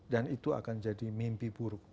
dan itu akan jadi mimpi buruk